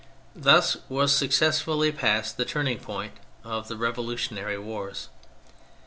Thus was successfully passed the turning point of the revolutionary wars.